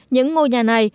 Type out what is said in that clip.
những ngôi nhà này